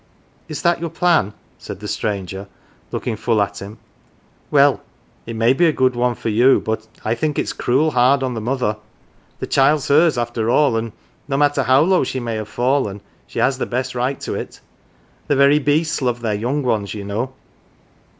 "Is that your plan?" said the stranger, looking full at him. " Well, it may be a good one for you, but I think it's cruel hard on the mother. The child's hers after all, and no matter how low she may have fallen, she has the best right to it. The very beasts love their young ones, ye know."